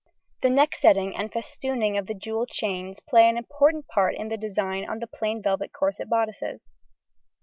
The neck setting and festooning of the jewel chains play an important part in the design on the plain velvet corset bodices.